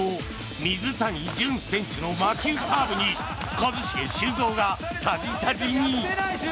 水谷隼選手の魔球サーブに一茂、修造がタジタジに。